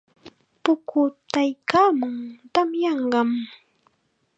Pukutaykaamun, tamyanqam.